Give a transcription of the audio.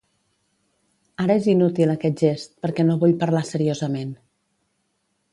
Ara és inútil aquest gest, perquè no vull parlar seriosament.